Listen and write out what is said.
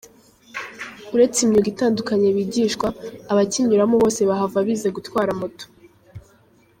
Uretse imyuga itandukanye bigishwa, abakinyuramo bose bahava bize gutwara moto.